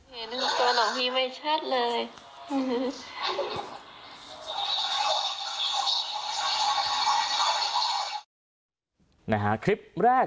เห็นตัวหน่องพี่ไม่ชัดเลย